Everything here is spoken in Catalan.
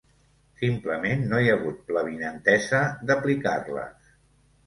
Simplement, no hi ha hagut l’avinentesa d’aplicar-les.